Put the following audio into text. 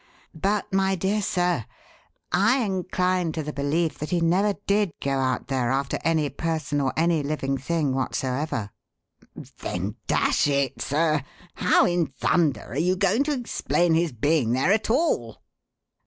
But, my dear sir, I incline to the belief that he never did go out there after any person or any living thing whatsoever." "Then, dash it, sir, how in thunder are you going to explain his being there at all?"